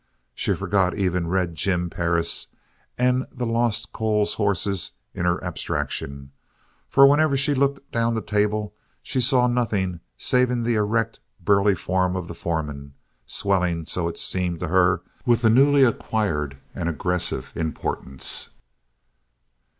She forgot even Red Jim Perris and the lost Coles horses in her abstraction, for whenever she looked down the table she saw nothing saving the erect, burly form of the foreman, swelling, so it seemed to her, with a newly acquired and aggressive importance.